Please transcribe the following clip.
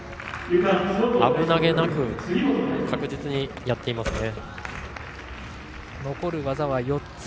危なげなく確実にやっていますね。